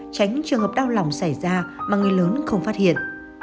tránh trường hợp đau lòng xảy ra mà người lớn không phát hiện